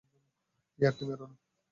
ইয়ার্কি মেরো না!